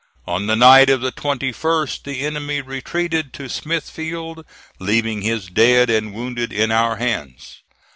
On the night of the 21st the enemy retreated to Smithfield, leaving his dead and wounded in our hands.